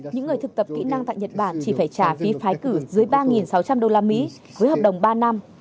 những người thực tập kỹ năng tại nhật bản chỉ phải trả phí phái cử dưới ba sáu trăm linh usd với hợp đồng ba năm